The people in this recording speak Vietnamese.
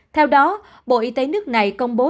theo đó bộ y tế nước này công bố